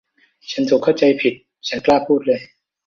ฉันถูกเข้าใจผิด ฉันกล้าพูดเลย